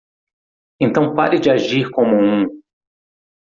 Então pare de agir como um.